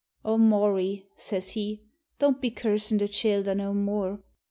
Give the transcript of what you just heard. "O Maury," says he, "don't be cursin' the childher no more.